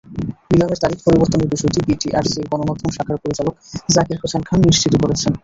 নিলামের তারিখ পরিবর্তনের বিষয়টি বিটিআরসির গণমাধ্যম শাখার পরিচালক জাকির হোসেন খান নিশ্চিত করেছেন।